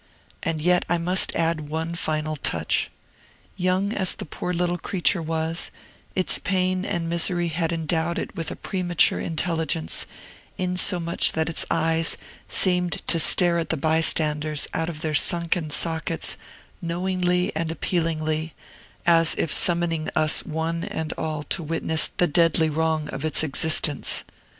And yet I must add one final touch. Young as the poor little creature was, its pain and misery had endowed it with a premature intelligence, insomuch that its eyes seemed to stare at the bystanders out of their sunken sockets knowingly and appealingly, as if summoning us one and all to witness the deadly wrong of its existence.